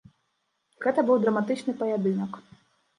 Гэта быў драматычны паядынак.